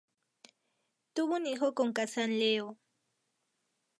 Tuvo un hijo con Kazan: Leo.